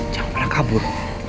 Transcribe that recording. jangan pernah kabur